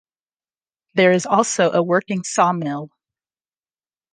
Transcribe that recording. There is also a working sawmill.